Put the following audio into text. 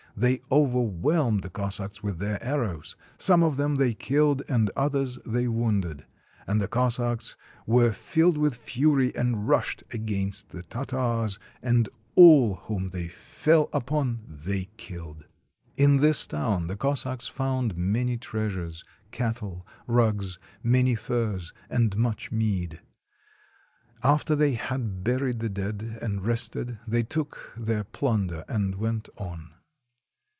They overwhelmed the Cos sacks with their arrows. Some of them they killed, and others they wounded. And the Cossacks were filled with fury, and rushed against the Tartars, and all whom they fell upon they killed. In this town the Cossacks found many treasures, cattle, rugs, many furs, and much mead. After they had buried the dead and rested, they took their plunder and went on.